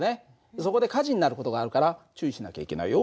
そこで火事になる事があるから注意しなきゃいけないよ。